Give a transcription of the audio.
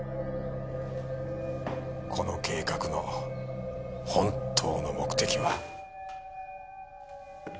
この計画の本当の目的は。